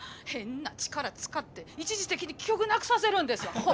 変な力使って一時的に記憶なくさせるんですわ。